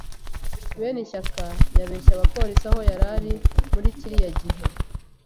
Benishyaka yabeshye abapolisi aho yari ari muri kiriya gihe.